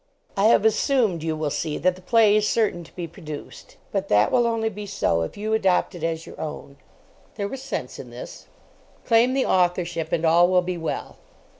"I have assumed, you will see, that the play is certain to be produced. But that will only be so if you adopt it as your own," (There was sense in this.) "Claim the authorship, and all will be well."